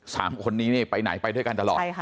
สามคนนี้ไปไหนไปด้วยกันตลอด